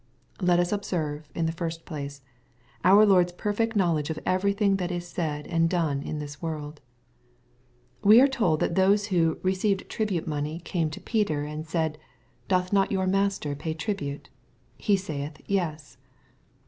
Let us observe, in the first place, our Lord's perfed knowledge of everything that is said and done in this world. We are told that those who " recieved tribute money MATTHEW, CHAP. XVII. 215 came to Peter and said, Doth not your Mastei pay tribute ? He saith. Yes."